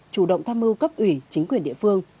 chủ động tham mưu cấp ủy chính quyền địa phương